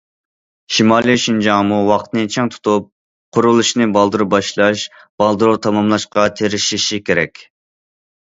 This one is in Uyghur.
شىمالىي شىنجاڭمۇ ۋاقىتنى چىڭ تۇتۇپ، قۇرۇلۇشنى بالدۇر باشلاش، بالدۇر تاماملاشقا تىرىشىشى كېرەك.